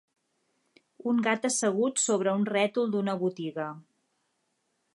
Un gat assegut sobre un rètol d'una botiga.